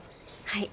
はい。